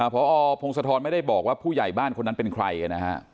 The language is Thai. พอพงศธรไม่ได้บอกว่าผู้ใหญ่บ้านคนนั้นเป็นใครนะฮะ